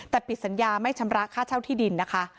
แต่ปิดสัญญาไม่ชำระค่าเช่าที่ดินนะคะ